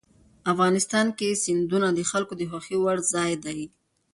افغانستان کې سیندونه د خلکو د خوښې وړ ځای دی.